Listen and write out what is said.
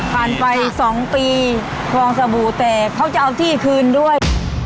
ไป๒ปีคลองสบู่แตกเขาจะเอาที่คืนด้วย